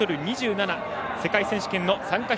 世界選手権の参加